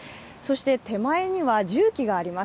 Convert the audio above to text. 手前には重機があります。